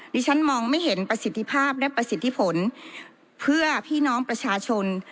ดิฉันมองไม่เห็นประสิทธิภาพและประสิทธิผลเพื่อพี่น้องประชาชน